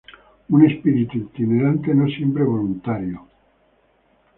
Un espíritu itinerante no siempre voluntario.